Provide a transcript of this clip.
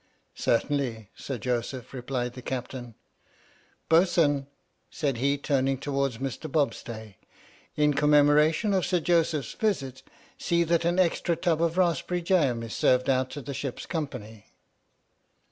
" Certainly, Sir Joseph," replied the Captain, "Boatswain," said he, turning towards Mr. Bobstay, " in commemoration of Sir Joseph's visit, see that an extra tub of raspberry jam is served out to the ship's company."